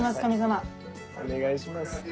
お願いします